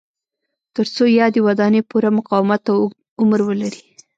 ترڅو یادې ودانۍ پوره مقاومت او اوږد عمر ولري.